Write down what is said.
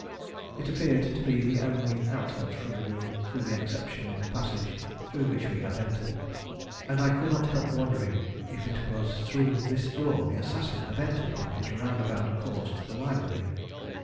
It appeared to be the only outlet from the room, with the exception of the passage through which we had entered, and I could not help wondering if it was through this door the assassin had entered on his roundabout course to the library.